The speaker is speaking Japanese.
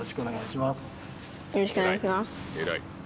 よろしくお願いします。